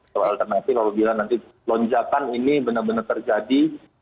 soal alternatif apabila nanti lonjakan ini benar benar terjadi